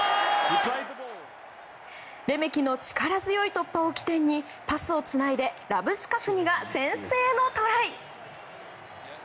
レメキの力強い突破を起点にパスをつないでラブスカフニが先制のトライ。